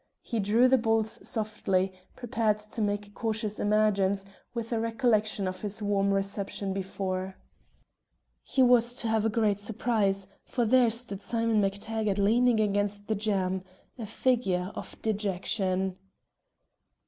He drew the bolts softly, prepared to make a cautious emergence, with a recollection of his warm reception before. He was to have a great surprise, for there stood Simon Mac Taggart leaning against the jamb a figure of dejection!